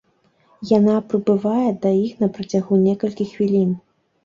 Яна прыбывае да іх на працягу некалькіх хвілін.